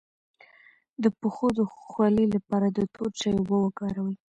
د پښو د خولې لپاره د تور چای اوبه وکاروئ